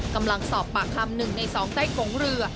กำลังสอบปากคำ๑ใน๒ใต้โกงเรือ